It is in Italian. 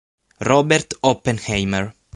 Robert Oppenheimer".